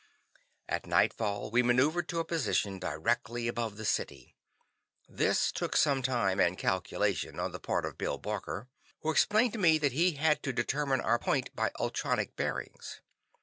At nightfall, we maneuvered to a position directly above the city. This took some time and calculation on the part of Bill Barker, who explained to me that he had to determine our point by ultronic bearings.